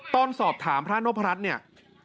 ตอนสอบถามพระนพรัชเนี่ย